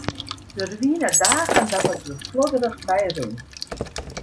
Der wiene dagen dat er der flodderich by rûn.